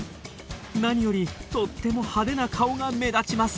何よりとっても派手な顔が目立ちます。